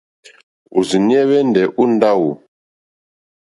Òrzìɲɛ́ hwɛ́ndɛ̀ ó ndáwò.